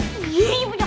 nih golesin ya gak bekas